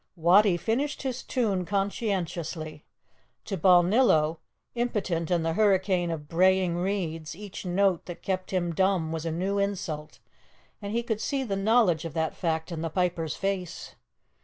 Wattie finished his tune conscientiously. To Balnillo, impotent in the hurricane of braying reeds, each note that kept him dumb was a new insult, and he could see the knowledge of that fact in the piper's face.